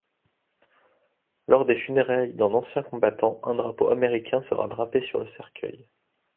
Lors des funérailles d'un ancien combattant, un drapeau américain sera drapé sur le cercueil.